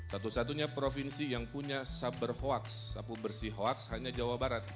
satu satunya provinsi yang punya saber hoax sapu bersih hoax hanya jawa barat